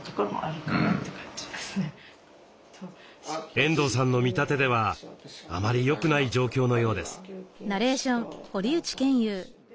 遠藤さんの見立てではあまり良くない状況のようです。